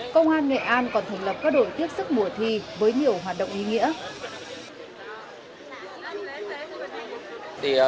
công an nghệ an còn thành lập các đội tiếp sức mùa thi với nhiều hoạt động ý nghĩa